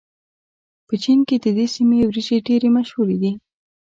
په چين کې د دې سيمې وريجې ډېرې مشهورې دي.